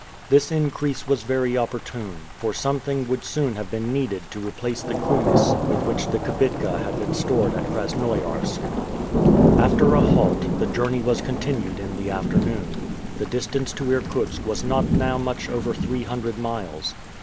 This increase was very opportune, for something would soon have been needed to replace the koumyss with which the kibitka had been stored at Krasnoiarsk. After a halt, the journey was continued in the afternoon. The distance to Irkutsk was not now much over three hundred miles.